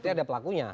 tapi ada pelakunya